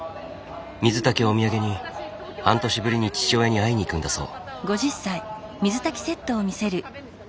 水炊きをお土産に半年ぶりに父親に会いに行くんだそう。